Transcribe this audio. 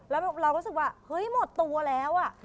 เราก็รู้สึกว่าเฮ้ยหมดตัวแล้วอ่ะ